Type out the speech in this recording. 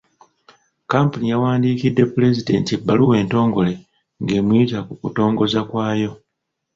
Kkampuni yawandiikidde pulezidenti ebbaluwa entongole ng'emuyita ku kutongoza kwayo.